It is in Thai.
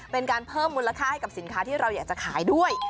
เป็นการเพิ่มมูลค่าให้กับสินค้าที่เราอยากจะขายด้วย